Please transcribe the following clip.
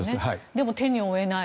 でも手に負えない。